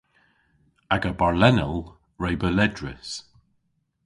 Aga barrlennell re beu ledrys.